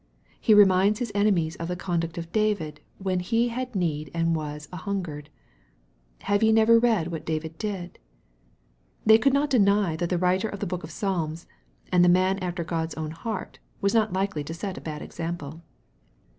He reminds His enemies of the conduct of David, when he " had need and was an hungered." " Have ye never read what David did ?" They could not deny that the writer of the book of Psalms, and the man after God's own heart, was not likely to set a bad example.